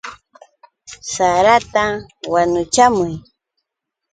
¡Sarata wanuchamuy!